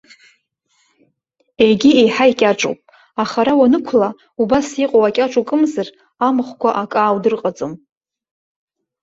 Егьи еиҳа икьаҿуп, аха ара уанықәла, убас иҟоу акьаҿ укымзар, амахәқәа акы ааудырҟаҵом.